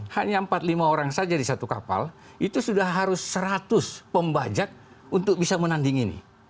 hanya empat lima orang saja di satu kapal itu sudah harus seratus pembajak untuk bisa menanding ini